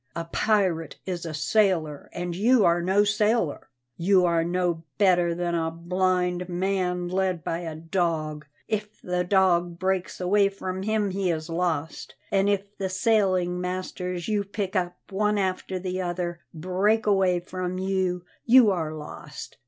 A pirate is a sailor, and you are no sailor! You are no better than a blind man led by a dog: if the dog breaks away from him he is lost, and if the sailing masters you pick up one after another break away from you, you are lost.